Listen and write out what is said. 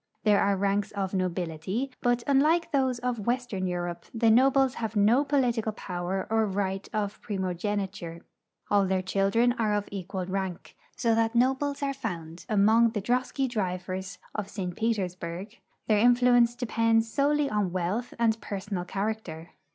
There are ranks of nobility, but, unlike those of Avestern Europe, the nobles have no [)olitical poAver or right of primogeniture. All their children are of equal rank, so that nobles are found among the drosky drivers of >St. Petersburg ; their influence de[)ends solely on Avealth and personal character.